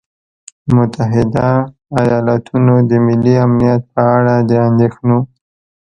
متحدو ایالتونو د ملي امنیت په اړه د اندېښنو